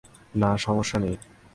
না, সমস্যা নেই।